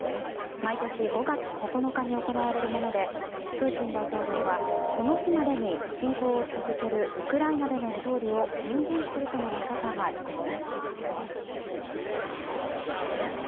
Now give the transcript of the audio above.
毎年５月９日に行われるものでプーチン大統領はこの日までに侵攻を続けるウクライナでの勝利を宣言するとの見方が出ています。